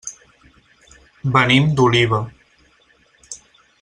Venim d'Oliva.